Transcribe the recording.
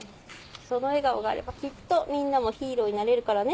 その笑顔があればきっとみんなもヒーローになれるからね。